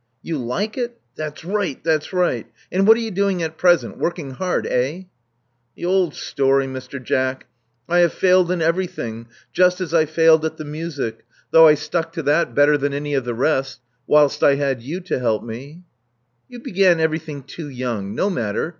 "You like it? That's right, that's right. And what are you doing at present? Working hard, eh?" The old story, Mr. Jack. I have failed in every thing just as I failed at the music, though I stuck to 4i6 Love Among the Artists that better than any of the rest, whilst I had you to help me. You began everything too yonng. No matter.